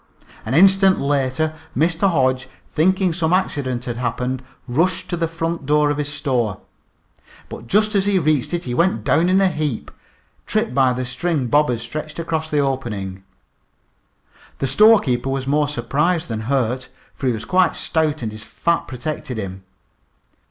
An instant later Mr. Hodge, thinking some accident had happened, rushed to the front door of his store. But just as he reached it he went down in a heap, tripped by the string Bob had stretched across the opening. The storekeeper was more surprised than hurt, for he was quite stout and his fat protected him.